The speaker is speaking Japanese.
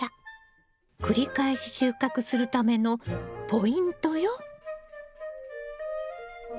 繰り返し収穫するためのポイントよ。